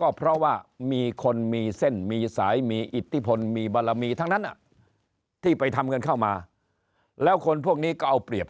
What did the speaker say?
ก็เพราะว่ามีคนมีเส้นมีสายมีอิทธิพลมีบารมีทั้งนั้นที่ไปทำเงินเข้ามาแล้วคนพวกนี้ก็เอาเปรียบ